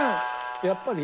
やっぱり？